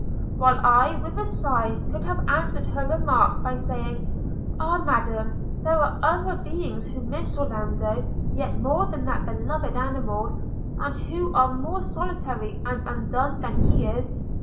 – While I, with a sigh, could have answered her remark, by saying – Ah, Madam! there are other beings who miss Orlando yet more than that beloved animal, and who are more solitary and undone than he is.